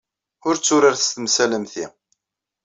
Ur tturaret s temsal am ti.